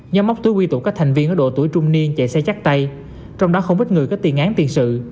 nhóm móc túi quy tụ các thành viên ở độ tuổi trung niên chạy xe chắc tay trong đó không ít người có tiền án tiền sự